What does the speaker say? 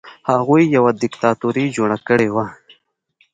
هغوی یوه دیکتاتوري جوړه کړې وه.